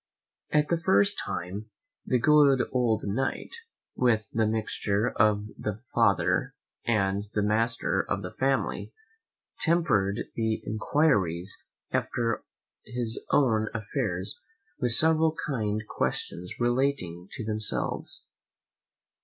At the same time the good old Knight, with the mixture of the father and the master of the family, tempered the enquiries after his own affairs with several kind questions relating to themselves.